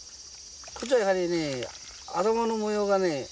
こっちはやはりね頭の模様がね